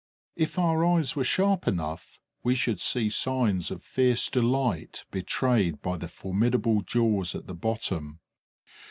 If our eyes were sharp enough, we should see signs of fierce delight betrayed by the formidable jaws at the bottom.